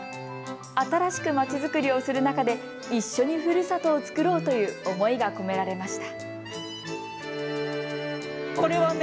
新しく街作りをする中で一緒にふるさとを作ろうという思いが込められました。